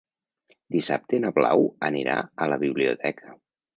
Dissabte na Blau anirà a la biblioteca.